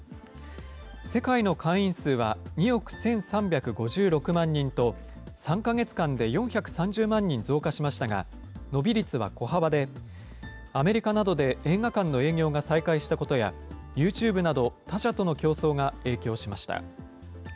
世界の会員数は、２億１３５６万人と、３か月間で４３０万人増加しましたが、伸び率は小幅で、アメリカなどで映画館の営業が再開したことや、ユーチューブなど他社との競争が影響しました。